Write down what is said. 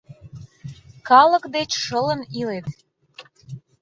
Калык деч шылын илет...